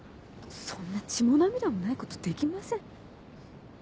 そんな血も涙もないことできません。